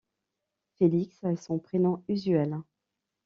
Félix est son prénom usuel.